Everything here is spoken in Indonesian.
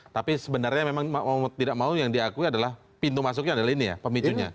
tapi sebenarnya memang mau tidak mau yang diakui adalah pintu masuknya adalah ini ya pemicunya